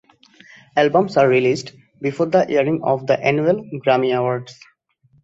Albums are released before the airing of the annual Grammy Awards.